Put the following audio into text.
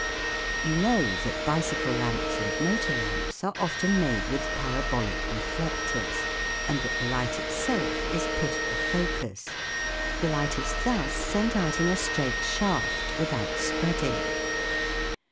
You know that bicycle lamps and motor lamps are often made with parabolic re flectors, and that the light itself is put at the focus ; the light is thus sent out in a straight shaft without spreading.